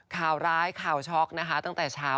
ข่าวร้ายข่าวช็อกนะคะตั้งแต่เช้า